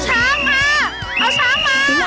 ช้างมาเอาช้างมา